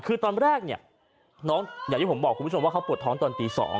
คือตอนแรกเนี่ยน้องอย่างที่ผมบอกคุณผู้ชมว่าเขาปวดท้องตอนตี๒